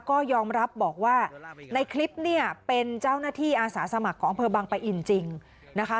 ก็ยอมรับบอกว่าในคลิปเนี่ยเป็นเจ้าหน้าที่อาสาสมัครของอำเภอบังปะอินจริงนะคะ